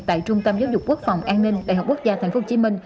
tại trung tâm giáo dục quốc phòng an ninh đại học quốc gia tp hcm